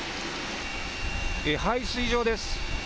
排水場です。